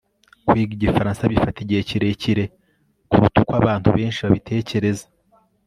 kwiga igifaransa bifata igihe kirekire kuruta uko abantu benshi babitekereza